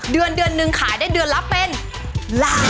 เดือนเดือนนึงขายได้เดือนละเป็นล้าน